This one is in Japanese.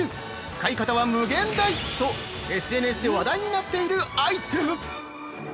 「使い方は無限！」と、ＳＮＳで話題になっているアイテム！